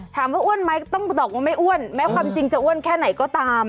อ้วนไหมต้องบอกว่าไม่อ้วนแม้ความจริงจะอ้วนแค่ไหนก็ตาม